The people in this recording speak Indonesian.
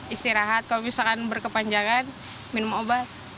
istirahat kalau misalkan berkepanjangan minum obat